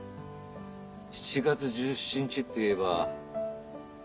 ７月１７日っていえば園祭か。